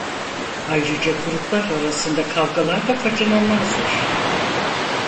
Ayrıca gruplar arasında kavgalar da kaçınılmazdır.